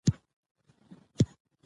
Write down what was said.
ناول د افغانستان علومو اکاډمۍ چاپ کړ.